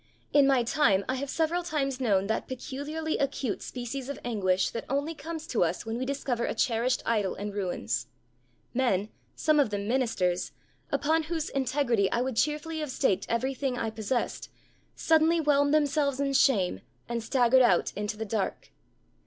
In my time I have several times known that peculiarly acute species of anguish that only comes to us when we discover a cherished idol in ruins. Men some of them ministers upon whose integrity I would cheerfully have staked everything I possessed, suddenly whelmed themselves in shame, and staggered out into the dark.